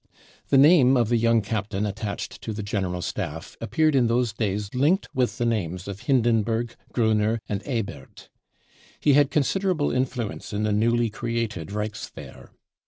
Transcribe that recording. The name of the young captain attached to the General Staff appeared in those days linked with the names of Hindenburg, Groener arid Ebert, fie had considerable in fluence in the newly created Reichswehr.